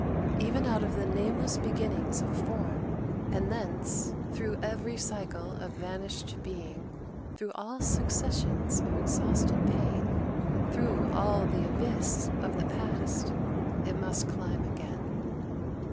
Even out of the nameless beginnings of form, and thence through every cycle of vanished being, through all successions of exhausted pain, through all the Abyss of the Past, it must climb again."